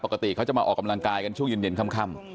ปกติเขาจะมาออกกำลังกายกันช่วงเย็นค่ำ